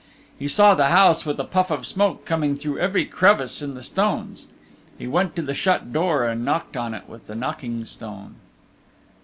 He saw the house with a puff of smoke coming through every crevice in the stones. He went to the shut door and knocked on it with the knocking stone.